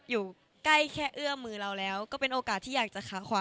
อยู่ใกล้แค่เอื้อมือเราแล้วก็เป็นโอกาสที่อยากจะขาขวา